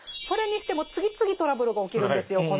それにしても次々トラブルが起きるんですよ